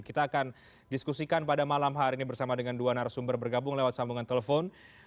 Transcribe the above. kita akan diskusikan pada malam hari ini bersama dengan dua narasumber bergabung lewat sambungan telepon